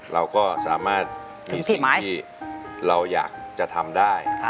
เราก็สามารถมีสิทธิ์ที่เราอยากจะทำได้